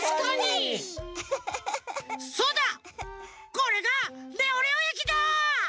これがレオレオえきだ！